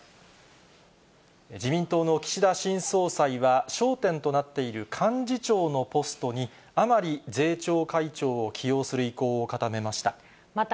自民党の岸田新総裁は、焦点となっている幹事長のポストに、甘利税調会長を起用する意向を固めました。